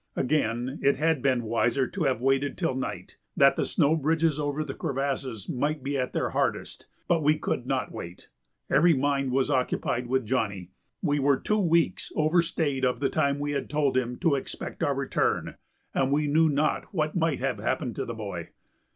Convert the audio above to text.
Again it had been wiser to have waited till night, that the snow bridges over the crevasses might be at their hardest; but we could not wait. Every mind was occupied with Johnny. We were two weeks overstayed of the time we had told him to expect our return, and we knew not what might have happened to the boy.